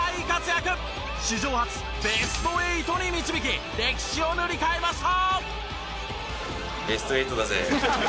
史上初ベスト８に導き歴史を塗り替えました！